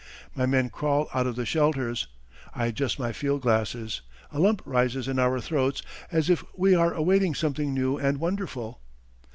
My men crawl out of the shelters. I adjust my field glasses. A lump rises in our throats as if we are awaiting something new and wonderful.